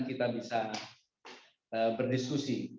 kita bisa berdiskusi